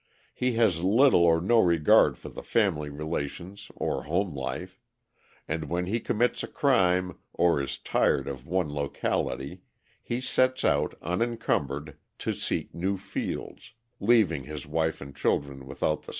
He has little or no regard for the family relations or home life, and when he commits a crime or is tired of one locality, he sets out, unencumbered, to seek new fields, leaving his wife and children without the slightest compunction.